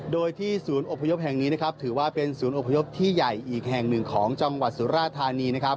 โดยที่ศูนย์อบพยพแห่งนี้นะครับถือว่าเป็นศูนย์อบพยพที่ใหญ่อีกแห่งหนึ่งของจังหวัดสุราธานีนะครับ